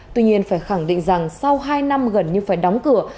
tuy nhiên phải khẳng định rằng sau hai năm gần như phải đóng cửa